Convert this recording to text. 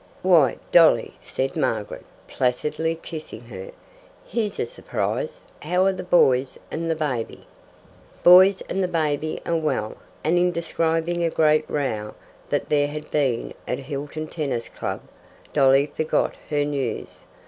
"Why, Dolly!" said Margaret, placidly kissing her. "Here's a surprise! How are the boys and the baby?" Boys and the baby were well, and in describing a great row that there had been at Hilton Tennis Club, Dolly forgot her news.